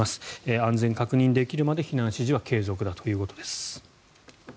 安全確認できるまで、避難指示は継続だということです。